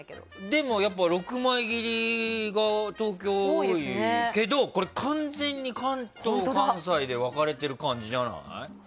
でも、６枚切りが東京は多いけど完全に関東、関西で分かれてる感じじゃない？